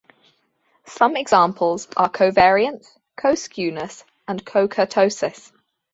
Some examples are covariance, coskewness and cokurtosis.